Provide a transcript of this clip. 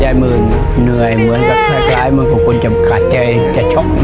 แย่มือเหนื่อยเหมือนกับคล้ายมันก็ควรจะขาดใจจะช็อกหนึ่ง